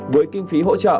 với kinh phí hỗ trợ